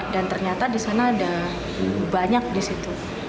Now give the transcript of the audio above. dan ternyata di sana ada banyak di situ